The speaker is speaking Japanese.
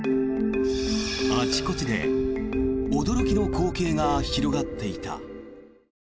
あちこちで驚きの光景が広がっていた。